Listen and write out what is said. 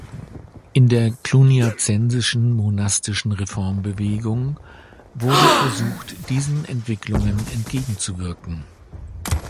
In der cluniazensischen monastischen Reformbewegung wurde versucht, diesen Entwicklungen entgegenzuwirken.